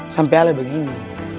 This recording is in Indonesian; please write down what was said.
sampai ales begini